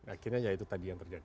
akhirnya ya itu tadi yang terjadi